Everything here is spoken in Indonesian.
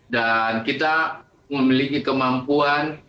dan kita memiliki kemampuan